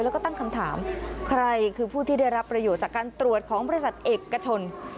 แล้วก็ตั้งคำถามใครคือผู้ที่ได้รับประโยชน์จากการตรวจของบริษัทเอกชน